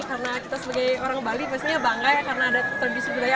karena kita sebagai orang bali pastinya bangga ya karena ada tradisi budaya